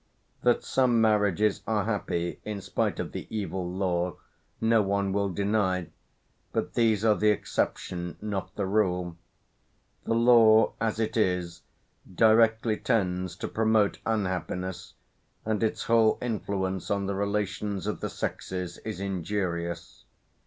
That some marriages are happy, in spite of the evil law, no one will deny; but these are the exception, not the rule. The law, as it is, directly tends to promote unhappiness, and its whole influence on the relations of the sexes is injurious.